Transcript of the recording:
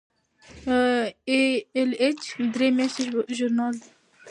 ای ایل ایچ درې میاشتنی ژورنال دی.